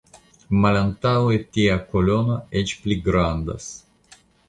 Malantaŭe tia konolo eĉ pli grandas.